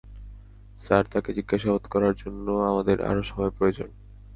Sir, তাকে জিজ্ঞাসাবাদ করার জন্য আমাদের আরও সময় প্রয়োজন।